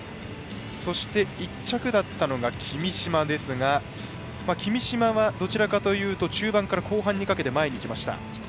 そして１着だったのが君嶋ですが君嶋は、どちらかというと中盤から後半にかけて前にきました。